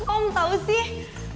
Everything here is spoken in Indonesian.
om tau sih